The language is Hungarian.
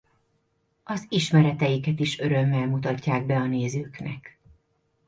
Az ismereteiket is örömmel mutatják be a nézőknek.